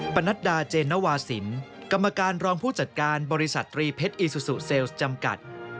ปนัดดาเจนนวาสินกรรมการรองผู้จัดการบริษัทตรีเพชรอีซูซูเซลล์จำกัด